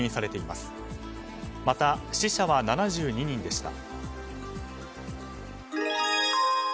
また、死者は７２人でした。